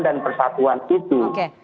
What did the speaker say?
dan persatuan itu